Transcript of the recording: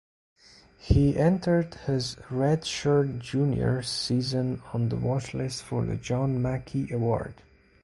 He entered his redshirt junior season on the watchlist for the John Mackey Award.